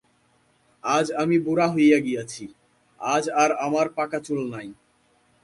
আজ আমি বুড়া হইয়া গিয়াছি, আজ আর আমার পাকা চুল নাই।